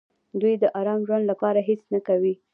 دوی د ارام ژوند لپاره هېڅ نه کوي.